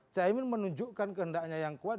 cak imin menunjukkan kehendaknya yang kuat